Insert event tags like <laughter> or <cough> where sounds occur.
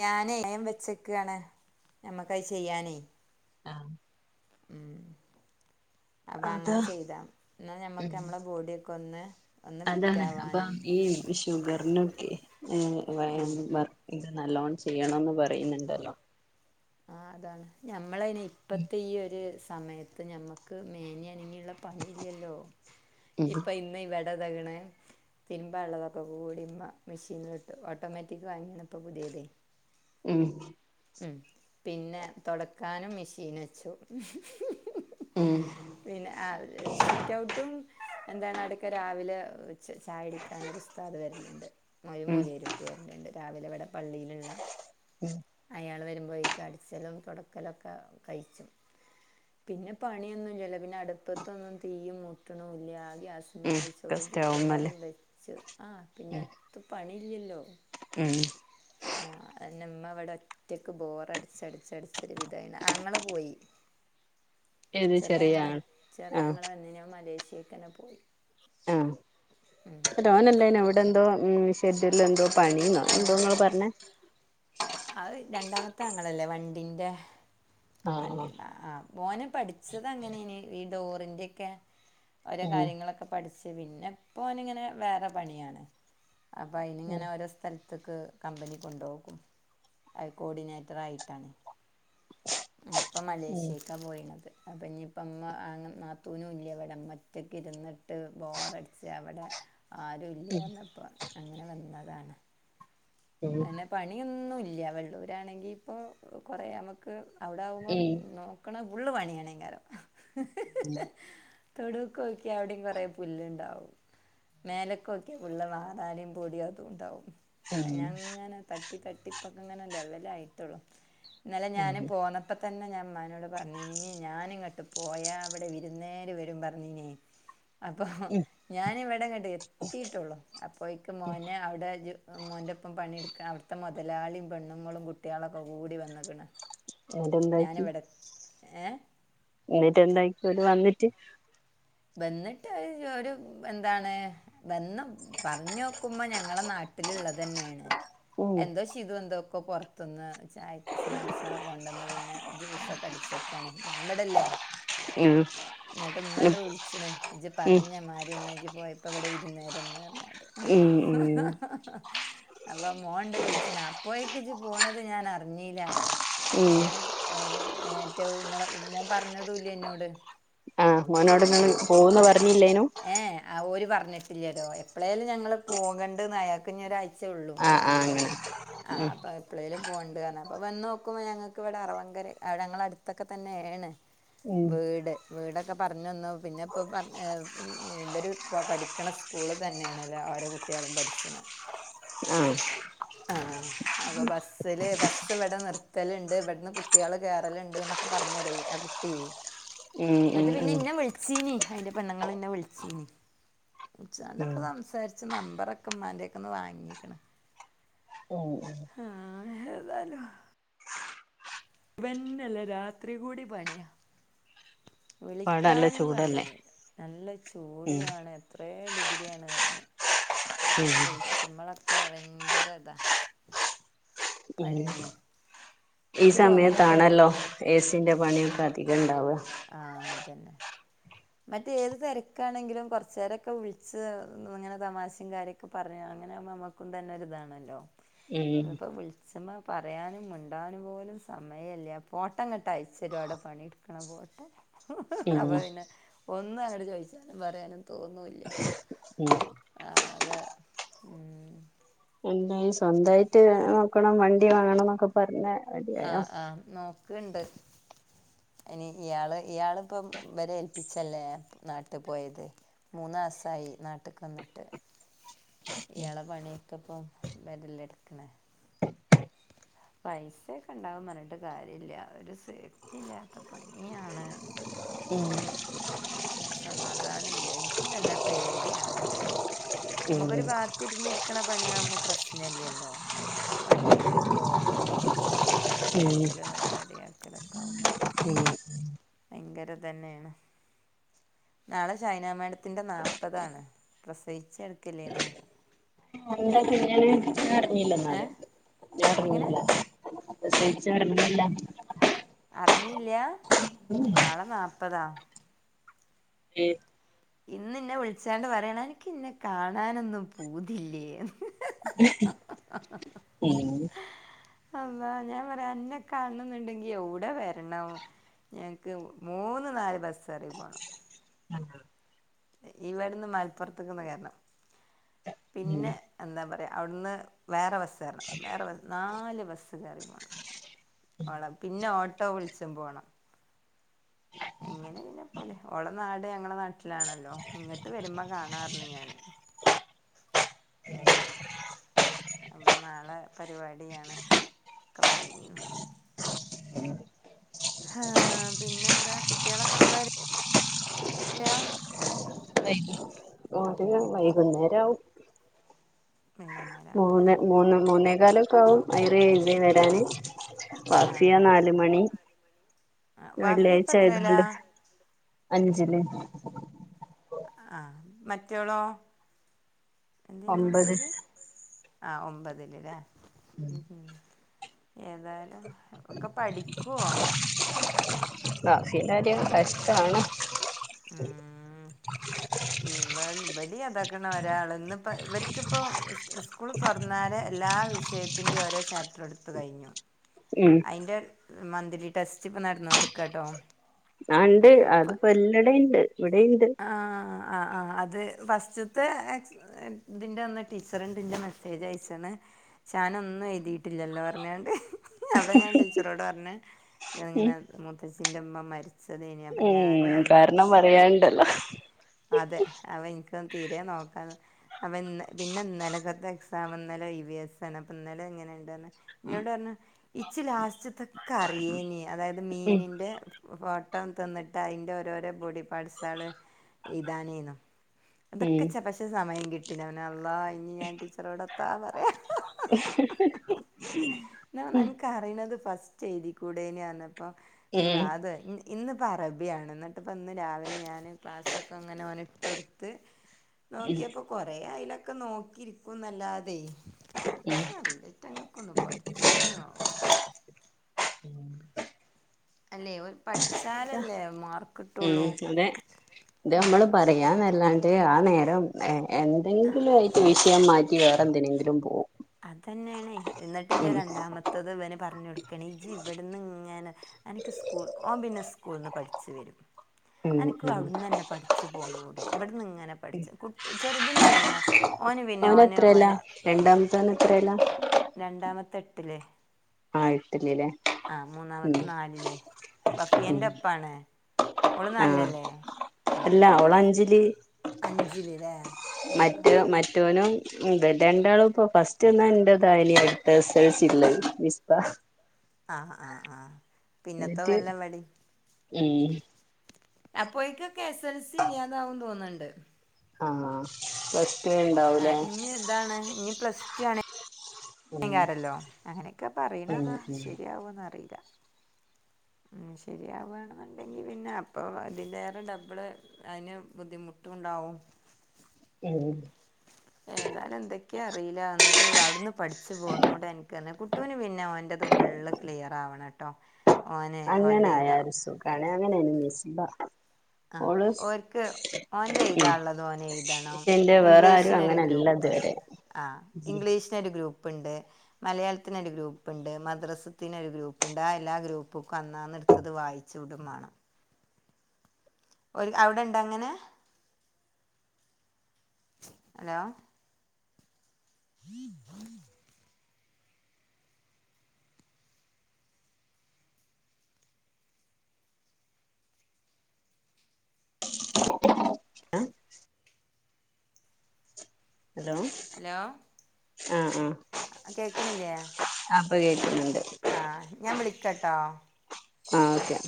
ഞാന വേം വെച്ചക്കാണ് നമ്മക്കത് ചെയ്യാനേ ആ ഉം അപ്പൊ അതാ അങ്ങനെ ചെയ്താ എന്നാ ഞമ്മക്ക് ഉം നമ്മളെ ബോഡിയൊക്കൊന്ന് അതാണ് അപ്പം ഈ ഷുഗറിനൊക്കെ ഈ ആഹ് വ ഇത് നല്ലോണ് ചെയ്യണന്ന് പറയുന്നുണ്ടല്ലോ ആ അതാണ് ഞമ്മളയ്ൻ ഇപ്പത്തെ ഈ ഒരു സമയത്ത് ഞമ്മക്ക് മേനിഅനങ്ങി ള്ള പണില്ലല്ലോ ഉം ഇപ്പൊ ഇന്ന് ഇവടെ തക്ണ് തിരുമ്പ ഉള്ളതൊക്കെ കൂടിമ്മ മിഷീലിട്ട് ഓട്ടോമാറ്റിക്ക് വാങ്ങിയണ്പ്പോ പുതിയതേ ഉം ഉം പിന്നെ തുടക്കാനും മെഷീൻ വച്ചു <unintelligible> ഉം പിന്നെ അ സിറ്റ്ഔട്ടും എന്താണ് അടക്കെ രാവിലെ ച ചായ കുടിക്കാൻ ഒരു ഉസ്താദ് വരുന്നുണ്ട് ഒരു ഉം മോല്യാരുട്ടി വരുന്നുണ്ട് രാവിലെ ഇവിടെ പള്ളിയിലുള്ള <unintelligible> അയാൾ വരുമ്പോക്ക് അടിച്ചലും തുടക്കലും ഒക്കെ കഴിച്ചും പിന്നെ പണിയൊന്നും ഇല്ല ല്ലോ പിന്നെ അടുപ്പത്തൊന്നും തീയ് മൂട്ട് ണും ല്ല ഗ്യസ് ഇമ്മ ഉം ഒക്കെ നെയ്ച്ചോറും ചിക്കൻ സ്റ്റൗമ്മല് കറിം വെച്ചു ആഹ് പിന്നെ ഉം ത്ത് പണില്ലല്ലോ ഉം ആഹ് ഇന്റെ ഇമ്മ ഇവിടെ ഒറ്റക്ക് ബോറ് അടിച്ച അടിച്ച് ടിച്ച് ഒരു വിധായിന് ആങ്ങള പോയി ഏത് ചെറിയ ചെറിയാങ്ങള ആൾ ആഹ് ചെറിയാങ്ങള തന്നെ ഞാൻ മലേഷ്യക്കന്നെ പോയി ആഹ് ങ്ങട്ട് ഓനല്ലേ നോ ഇവിടെന്തോ ഉ <unintelligible> എന്തോ പണി ന്നോഎന്തോ ങ്ങള് പറ്ഞ്ഞേ അഹ് രണ്ടാമത്തെ അങ്ങളല്ലേ വണ്ടിന്റെ ആഹ് വ ആഹ് ആ മോനെ പഠിച്ചത് അങ്ങനെ നി ഈ ഡോറിന്റെക്കെ ഓരോ ഉം കാര്യങ്ങളൊക്കെ പഠിച്ച് പിന്നെപ്പ ഓനെ ഇങ്ങനെ വേറെ പണിയാണ് അപ്പൊ അയിനി ഉം ഇങ്ങനെ ഓരോ സ് സ്ഥലത്തക്ക് കമ്പനി കൊണ്ടുപോകും കോർഡിനേറ്റർ ആയിട്ടാണ് ഉം ഇപ്പൊ ഉം മലേഷ്യക്കാ പോയിണത് അപ്പൊ ഞ്ഞ് പ്പ മ്മ നാത്തൂനെ ഇല്ല ഇവിടെ ഉമ്മ ഒറ്റയ്ക്കിരുന്ന്ട്ട് ബോറടിച്ച് അവിടെ ആരും ഇല്ലാഞ്ഞപ്പോ അങ്ങനെ വന്നതാണ് അ എന്നെ പണിയൊന്നും ഇല്ല വെള്ളൂരാണെങ്കി ഇപ്പോ കൊറെ നമ്മക്ക് അവിടെ ആകുമ്പോ ഉം നോക്ക്ണ ഫുള്ളും പണിയായാണേ ക്കാരം തൊടൂക്ക് നോക്കിയാ അവി ടിം കൊറെ പുല്ല്ണ്ടാവും മേലേക്ക് നോക്കിയാൽ ഫുള്ള് മാറാലിം പൊടിയും അതും ഉണ്ടാവും ഉം ഞാ ങ്ങനെ തട്ടി തട്ടി ഇപ്പൊക്കെ ഇങ്ങനെ ലെവലായിട്ടോള്ളു ഇന്നലെ ഞാന് ഉം പോന്ന അപ്പംത്തന്നെ ഞാൻ ഇമ്മാനോട് പറ് ഞ്ഞിനി ഇന് ഞാനിങ്ങട്ട് പോയാ ഇ വിടെ വിരുന്നേര് വരും പറ്ഞ്ഞിനേ അപ്പം ഞാനി ഇവിടെ ഇങ്ങട്ട് എത്തിയിട്ടുള്ളൂ അപ്പോയ്ക്ക് മോനെ അവിടെ ജ് മോന്റെ ഒപ്പം പണിയെട്ക്ക്ണ അവിടുത്തെ മുതലാളിം പെണ്ണുങ്ങളും കുട്ടിയാളൊക്കെ കൂടി വന്നിക്ക്ണ് എന്നിട്ടെന്താക്കി ഞാനിവിടെ ഏഹ് എന്നിട്ട് എന്തല് വന്നിട്ട് വന്നിട്ട് ഒരു എന്താണ് വന്ന് പറ്ഞ്ഞോക്കുമ്പം ഞങ്ങളെ നാട്ടില്ള്ളതന്നെയാണ് ഉം എന്തോ ശിതു എന്തോക്കോ പൊറത്ത്ന്ന് ചായക്ക് സ്നാക്ക്സാള് കൊണ്ടന്ന് പിന്നെ ജ്യൂസ് ഒക്കെ അടിച്ചക്കാണ് ഞാൻ ഇവിടല്ലേ ആഹ് ഉം സ്നേ ഇജ്ജ് ഉം പറഞ്ഞ മാതിരി എന്നെ ഇജ്ജ് പോയപ്പോ ഇവിടെ വിരുന്നേരന്ന് റ്ഞ്ഞ് ഉം ഉം അപ്പോ മോൻണ്ട് വിൾച്ച് ണ് അ പോയി ഇജ്ജ് പോണത് ഞാൻ അറിഞീല്ല ഉം ഏഹ് അഹ് റ്റെ ങ്ങള മോൻ പറഞ്ഞതും ഇല്ല ഇന്നോട് ആഹ് മോനോട് ഇങ്ങള് പോകുന്ന് പറഞ്ഞില്ലേ നു അ ഓല് പറഞ്ഞിട്ടില്ല ലോ എപ്പ്ളേലും ഞങ്ങൾ പോകണ്ട്ന്ന് അയാൾക്ക് ഞ്ഞൊര് ആഴ് സെ ഒള്ളൂ ആഹ് ആഹ് ലീവ് അങ്ങനെ ആ ഉം അപ്പ എപ്പളിേും പോേണ്ട് കാരണം അപ്പോൾ എപ്പളെലും പോണ്ട് വന്ന് നോക്കുമ്പോൾ ഞൾക്ക് ഇവിടെ അറവൻങ്കര ഞങ്ങള അടുത്തൊക്കെ തന്നെയ ആണ് ഉം വീട് വീടൊക്കെ പറ്ഞ്ഞന്നൊ പിന്നെ ഇപ്പം പറ ഇവര് പഠിക്ക്ണ സ്കൂള് തന്നെയണല്ലോ അവരെ കുട്ടിയോളും പഠിച്ച്ണ ഉം ആഹ് അപ്പൊ ബസ്സില് ബസ് ഇവിടെ നിർത്തല്ണ്ട് ഇവിടന്ന് കുട്ടിയാള് കേയറലുണ്ട് ന്നൊക്കെ പറ്ഞ്ഞ് ലയ് ആ കുട്ടി ഉം ഉം ന്നട്ട് ' ഉം പിന്നെ ഉം ഇന്നൊ വിളിച്ചീനി അയിൻ്റെപെണ്ണങ്ങള്ന്നെ വിളിച്ചീനി. ഉം ഉച്ചാണ്ടക്കെ സംസാരിച്ച് നമ്പറൊക്കെ ഉമ്മാൻ്റെക്ക്ന്ന് വാങ്ങിക്ക്ണ്. ഓ. ആ ഏതാലും. വെന്നല്ല രാത്രി കൂടി പണിയാ. ഇപ്പവടെ നല്ല വിളിക്കാനും ചൂടല്ലേ സമയല്ല. നല്ല ചൂടു ഉം ആണ് എത്രേ ഡിഗ്രിയാണ്റഞ്ഞു. ഉം വളിച്ചുമ്പളൊക്കെ ഭയങ്കര താ. ഉം ഈ എനിക്ക് തോന്നണിപ്പേ സമയത്താണല്ലോ ഏസിന്റെ പണിയൊക്കെ അധികണ്ടാവ. ആ അതന്നെ. മറ്റേത് ഏത് തെരക്കാണെങ്കിലുംകുറച് നേരൊക്കെ വിളിച്ച് ഇങ്ങനെ തമാശയും കാര്യൊക്കെ പറഞ്ഞ്. അങ്ങനെ ആുമ്പോ നമുക്ക് കും തന്നൊരിതാണല്ലോ ഉം ഇപ്പോ വിളി അച്ഛമ്മ പറയാനും മുണ്ടാനും പോലും സമയല്ല. ഫോട്ടംങ്ങട്ട് ആയച്ച് തരുംഅവടെ പണി ട്ക്കണ ഫോട്ടം. അപ്പൊ ഉം പിന്നെ ഒന്നും അങ്ങട് ചോയിച്ചാനും പറയാനും തോന്നൂല്ല. ഉം ആ അതെ. ഉം. എാന്തായ് സ്വന്തമായിട്ട് നോക്കണം. വണ്ടി വാങ്ങണം നൊക്കെ. പർനൊ ആഹ്, ആ നോക്ക്ണ്ട്. ഇനി ഇയാള് ഇയാളി പ്പം ഇവരെ ഏൽപ്പിച്ചല്ലേ നാട്ട്പോയത്. മൂന്നാസായി നാട്ട്ക്ക് വന്ന്ട്ട്. ഇയാളെ പണിയൊക്കെ പ്പം വരല്ലൊ ഇട്ക്കണ്. <unintelligible> പൈസയൊക്കെ ണ്ടാകുന്ന് പറഞ്ഞിട്ട് കാര്യമില്ല ഒരു സേഫ്റ്റി ല്ലാ ത്ത പണിയാണ്. <inaudible> ഒരുസമാധാനും ല്ല എനിക്കും തന്നെ പേടിയാണ് നമുക്കൊരു ഉം ബാ ത്തിരുന്നിരിക്കണ പണിയാവുമ്പോ പ്രശ്നല്ലല്ലോ. ഇത് വണ്ടില് പോവലും. ഔ ടൊ റെഡി ഉം ആക്കലും ഇവടെറെഡി ആക്കലൊക്കാ വുമ്പളേ. ഉം. ഭയങ്കര ഇതന്നെഎണ്. നാളെ സയ്നാ മേഡത്തിൻ്റെ നാൽപ്പതാണ് പ്രസവിച്ച് ടക്കകല് യ് നോ. എന്താ പിന്നല് ഏ ഞാർഞ്ഞില്ലന്നറയും. എങ്ങനെ. പ്രസവിച്ചോരഞ്ഞല്ല. അറിഞ്ഞില്ല നാളെ നാല്പ്പതാ. ഇന്ന് ഇന്നെ വിളിച്ചാണ്ട് പറിയാണ് അനക്ക് ഇന്നെ കാണാനൊന്നും പൂതില്ലേ? <unintelligible> ഉം. അള്ളാ ഞാൻ പറയാ അന്നെ കാണണന്ന്ണ്ടെങ്കി യെവ്ടെ വരണം. ഞങ്ങക്ക് മൂന്ന് നാല് ബസ്സേറി പോകണം. <inaudible> ഈ വടന്ന് മലപ്പുറത്ത്ക്കെന്ന് കേറണം ഉം പിന്നെ എന്താ പറയാ ഔടുന്ന്. വേറെ ബസ്സേറണം വേറെ ബസ് നാല് ബസ്സ് കേറി പോണം. ഓളെ പിന്നെ ഓട്ടോ വിളിച്ചും പോണം. എങ്ങനെ <unintelligible> ഓളെ നാട് ഞങ്ങളെ നാട്ടിലാണല്ലോ ഇങ്ങട്ട് വരുമ്പൊ കാണാറ്ഞ്ഞ് ഞാന്. ഉം <unintelligible> നാളെ പരിപാടിയാണ് ഒക്കെ പറഞ്ഞീനു. ഹാ പിന്നെന്താ കുട്ട്യാളൊക്കെ എപ്പളാ വര യ <unintelligible> <unintelligible> ടിന് വൈകുന്നേ രാവും. വൈകുന്നേര മൂന്നെ മൂന്ന് മൂന്നേകാലം. ക്കാവും ഐറെ ഇസ്സിം വരാന് ആഹ് വാഫിയ നാല് ആഹ് മണി. ആഹ് വഫി ഇപ്പ എത്രേലാ വെള്ള്യായ്ച്ചായതോണ്ട് അഞ്ച്ല്. ആഹ മറ്റോളോ എന്ത്യുന്നോള ഒമ്പത് പേര്? ആഹ് ഒമ്പതില് ലേ? ഏതായലും ഒക്കെ പഠിക്ക്വോ? വാഫിന്റെര്യം കഷ്ടാണ്. ഉം ഈ. ഇവൾ ബടി അതാക്കണ ഒരാള് ഇന്ന് പ്പ ഇവർക്കിപ്പോ സ് സ്കൂള് തൊർന്നാരെ എല്ലാ വിഷയത് ത്തിന്റെ ഓരോ ചാപ്റ്റർ എടുത്ത് കയിഞ്ഞു. ഉം അയ്ന്റെ മന്ത്ലി ടെസ്റ്റ്പ്പ നട്ന്നോണ്ട്ക്കാട്ടോ. ആഹ് ണ്ട് അത് പല്ലടെണ്ട് ഇവടിണ്ട്. ആഹ് ആ ആ അത് ഫസ്റ്റ്ത്തെ ആക്സ എ തിന്റെന്ന് ടീച്ചർണ്ട് ൻ്റെ മെസ്സേജയ്ച്ച്ണ്. ചാനൊന്നും എയുതിട്ടില്ലല്ലോ അർഞ്ഞാണ്ട്. അപ്പ ഞാ ടീച്ചറോട് പർഞ് ഉം ഞാങ്ങനെ മൂത്തചിന്റെമ്മ മര്ച്ചതേനി - ഏഹ് കാരണം പറയാണ്ടല്ലോ. അതെ അവ ഇൻക്ക തീരെ നോക്കാ അപന്ന് പിന്നെ ഇന്നലക്കത്തെ എക്സാം ഇന്നലെ ഇ വി എസ് ആണ് അപ്പ ഇന്നലെ എങ്ങനെണ്ടന്ന്. ഇന്നൊടർഞ് ഇച്ചി ലാസ്റ്റ്ത്തൊക്കറിയേനി അതായ്ത് ഉം മീനിൻ്റെ. ഫോട്ടം തന്നിട്ട് അയ്ൻ്റോരോരോ ബോഡി പാർട്സാള് ഇതാനേനു. ഉം അതൊക്കെ ച്ച പക്ഷെ സമയം കിട്ടിലവന് അള്ളാഹ് ഇഞ് ഞാൻ ടീച്ചറോട് എത്താ പറയ. ഹ ഹ ഹ ഹ. ന്നാ അൻക്കറിണത് ഫസ്റ്റ് എയ്തി കൂടെന്യോർഞ്ഞപ്പ മ് അത് ഉം ഇന്ന്പ്പ അറബ്യാണ് ന്നട്ട്പ്പം ഇന്ന് രാവിലെ ഞാന് ക്ലാസ്സൊക്കങ്ങനെ ഒന്ട്ടൊട്ത്ത്. നോക്കിയപ്പോ കൊറേ അയ്ലൊക്കെ നോക്കിര്ക്കും ന്നല്ലാതെയ്. <unintelligible> അറീല റ്റങ്ങക്കൊന്നും പഠ്ച്ചാനും ആവുല. അല്ലേ ഒര് പഠ്ച്ചാലല്ലേ മാർക് ഉം അതെ ഇത് നമ്മള് പറയാന്നല്ലാണ്ട് ആ നേരം. ഏഹ് എന്തെങ്കിലു ആയിറ്റ് വിഷയം മാറ്റി വേറെന്തിനെങ്കിലും പോവും. അതെന്നേണയ് ഇന്നട്ടിൻ്റെ ഉം രണ്ടാമത്തത് വന് പർഞ്ഞൊട്ക്കണി ഇജ് ഇബട്ന്ന്ങ്ങനെ- അനക്ക് സ്കൂൾ ഓം പിന്നെ സ്കൂൾന്ന് പഠ്ച് വരും. ഉം അനക്കു ഉം ഔട്ന്നന്നെ പഠ്ച്ച് പോന്നൂടെ ഇവട്ന്ന്ങ്ങനെ പഠ്ച്ച് കുട്ട ചെറുതിന് പിന്നെ- ഓന് പിന്നെ ഓന് ഓന്. രണ്ടാമത്തോനെത്രേല? രണ്ടാമത്ത എട്ടില്. ആഹ് എട്ട്ല് ലേ? ആഹ് മൂന്നാമത്തെ നാലില് ഉം ബഫിയന്റെപ്പാണ്. ആഹ് അല്ല ഓളഞ്ച്ല്. അഞ്ചില് ലേ ആ ആഹ് ഇബ രണ്ടാളുപ്പ ഫസ്റ്റ്ന്നാ <unintelligible> അട്ത്ത എസ് എൽ സി ള്ളവ് മിസ്‌ബ. ആഹ് ആഹ് ആഹ്. ന്നറ്റ് ഉം. അപ്പോഴക്കൊക്കെ എസ് എൽ സി ഇല്ല്യാതാവും തോന്നണ്ട്. ആഹ്. <unintelligible> ആഹ് ഇഞ്ഞ് താണ് ഞ് പ്ലസ് ടു ആണ്. ഉം ങ്കാരല്ലോ അങ്ങനെക്കെ ഉം പറിണതാ ഉം ശര്യാവോന്നറീല. മഉം ശരിയാവാണെന്നുണ്ടെങ്കിൽ പിന്നെ അപ്പോ അതിൻ്റെേറെ ഡബ്ള് അയ്ന് ബുദ്ധിമുട്ടുണ്ടാവും. ഉം. ഏതാലും എന്തൊക്കെയാ അറിയില്ലന്നിട്ട് അവിടുന്ന് പഠിച്ച് പോന്നുടേ അൻക്ക്ന്ന കുട്ടൂന് പിന്നെ ഓൻ്റത് ഫുൾ ക്ലിയറാവണെട്ടോ. അങ്ങനെ ആയ ഒരു സുഖാണ് <unintelligible> ആ ഓര്ക്ക് ഓന്റെ ഉം എയ്താള്ളത് ഓനെഴുതണം, പക്ഷെ എന്റെ വേറെ ആരും ഇംഗ്ലീഷിനൊരു അങ്ങനെല്ല ഗ്രൂപ്പ്. ഇതുവരെ ആഹ് ഇംഗ്ലീഷിനൊരു ഗ്രൂപ്പ്ണ്ട്. മലയാളത്തിന് ഒരു ഗ്രൂപ്പ്ണ്ട് മദ്രസത്തിന് ഒരു ഗ്രൂപ്പ്ണ്ട് ആ എല്ലാ ഗ്രൂപ്പ്ക്കു അന്നാന്ന് ത്തത് വായിച്ച് ഉടുംമാണ്. ഒരു അവിടെണ്ടോ അങ്ങനെ? ഹലോ? <inaudible> ആഹ് അലോ ഹലോ ആഹ് ആഹ്. കേക്ക്ണില്ലേ പ്പ കേക്ക്‌ന്ന്ണ്ട് ആഹ് ഞാൻ വിളിക്കട്ടോ. ആഹ് ഓക്കെ